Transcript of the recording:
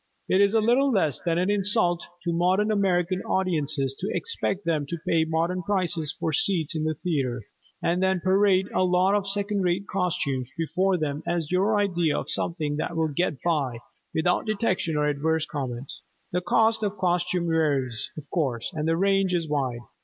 It is little less than an insult to modern American audiences to expect them to pay modern prices for seats in the theatre and then parade a lot of second rate costumes before them as your idea of something that will "get by" without detection or adverse comment. The cost of costumes varies, of course, and the range is wide.